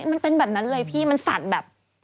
มันเป็นแบบนั้นเลยพี่มันสั่นแบบ